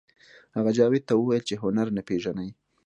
هغه جاوید ته وویل چې هنر نه پېژنئ